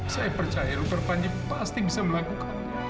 saya percaya rupert panji pasti bisa melakukan